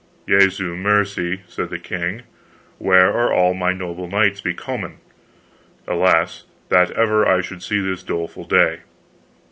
Jesu mercy, said the king, where are all my noble knights becomen? Alas that ever I should see this doleful day.